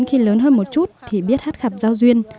khi lớn hơn một chút thì biết hát khập giao duyên